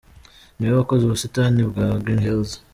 Niwe wakoze ubusitani bwa Green Hills.